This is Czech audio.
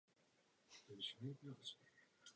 Pro příští dva roky je to otázka zcela kritického významu.